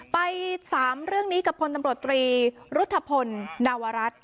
ไป๓เรื่องนี้กับพลตำรวจตรีรุธพลนวรัฐ